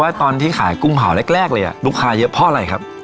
ตอนที่ขายกุ้งเผาแรกเลยลูกค้าเยอะเพราะอะไรครับ